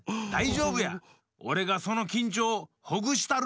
おれがそのきんちょうほぐしたる！